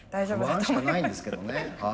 不安しかないんですけどね。